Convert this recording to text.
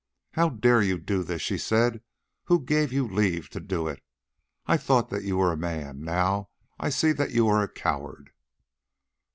"How dared you do this?" she said. "Who gave you leave to do it? I thought that you were a man, now I see that you are a coward."